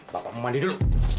bapak mau mandi dulu